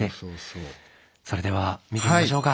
それでは見てみましょうか。